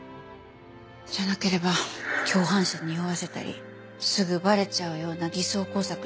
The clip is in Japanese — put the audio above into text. じゃなければ共犯者におわせたりすぐバレちゃうような偽装工作してみたり。